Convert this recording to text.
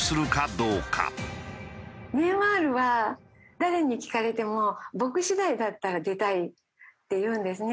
ネイマールは誰に聞かれても僕次第だったら出たいって言うんですね。